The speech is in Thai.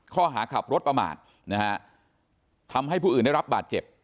ข้อหาขับรถประมาทนะฮะทำให้ผู้อื่นได้รับบาดเจ็บ